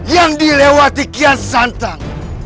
yang dilewati kian santan